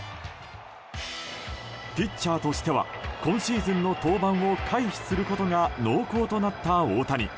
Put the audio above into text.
ピッチャーとしては今シーズンの登板を回避することが濃厚となった大谷。